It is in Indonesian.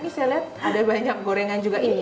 ini saya lihat ada banyak gorengan juga ini